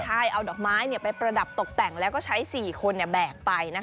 ใช่เอาดอกไม้ไปประดับตกแต่งแล้วก็ใช้๔คนแบกไป